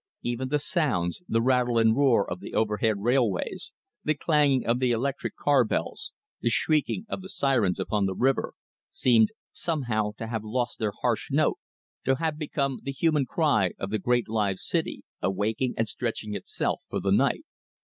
Even the sounds, the rattle and roar of the overhead railways, the clanging of the electric car bells, the shrieking of the sirens upon the river, seemed somehow to have lost their harsh note, to have become the human cry of the great live city, awaking and stretching itself for the night.